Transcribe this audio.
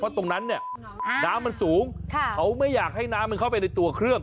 ตรงนั้นเนี่ยน้ำมันสูงเขาไม่อยากให้น้ำมันเข้าไปในตัวเครื่อง